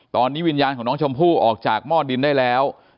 ตอนนี้วิญญาณของน้องชมพู่ออกจากหม้อดินได้แล้ว